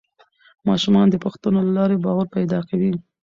ماشومان د پوښتنو له لارې باور پیدا کوي